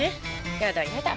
やだやだ。